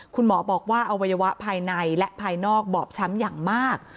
คุณหมอบอกว่าอวัยวะภายในและภายนอกบอบช้ำอย่างมาก